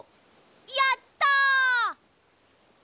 やった！